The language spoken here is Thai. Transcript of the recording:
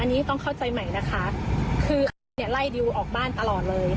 อันนี้ต้องเข้าใจใหม่นะคะคือเขาเนี่ยไล่ดิวออกบ้านตลอดเลย